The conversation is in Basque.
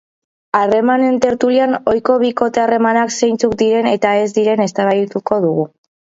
Harremanen tertulian ohiko bikote harremanak zeintzuk diren eta ez diren eztabaidatuko dugu.